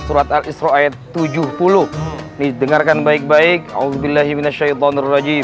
surat al isra' ayat tujuh puluh nih dengarkan baik baik audzubillahiminasyaitonirrojim